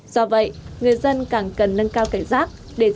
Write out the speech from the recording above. do vậy người dân càng cần nâng cao cảnh giác để trải